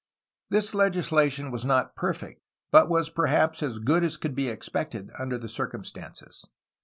This legislation was not perfect, but was perhaps as good as could be expected under the circumstances.